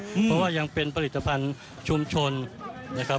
เพราะว่ายังเป็นผลิตภัณฑ์ชุมชนนะครับ